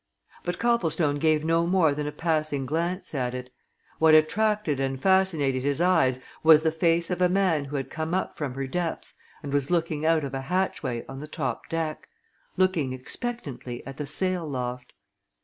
But Copplestone gave no more than a passing glance at it what attracted and fascinated his eyes was the face of a man who had come up from her depths and was looking out of a hatchway on the top deck looking expectantly at the sail loft.